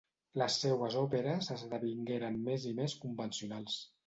Les seues òperes esdevingueren més i més convencionals.